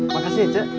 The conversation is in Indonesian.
makasih ya cep